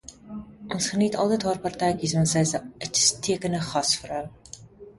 Ons geniet altyd haar partytjies want sy is 'n uitstekende gasvrou.